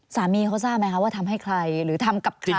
สามีเขาทราบไหมคะว่าทำให้ใครหรือทำกับใคร